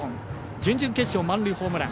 準々決勝、満塁ホームラン。